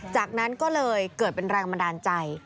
จากนั้นก็เลยเกิดเป็นแรงบันดาลใจ